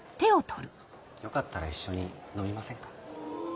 よかったら一緒に飲みませんか？